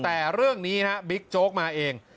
แต่เรื่องนี้ฮะบิ๊กโจ๊กมาเอง